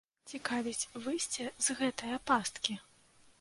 Цікавіць выйсце з гэтае пасткі?